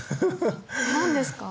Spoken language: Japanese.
何ですか？